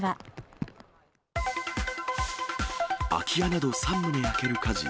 空き家など３棟焼ける火事。